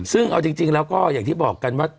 ซึ่งเอาจริงแล้วก็อย่างที่บอกกันว่า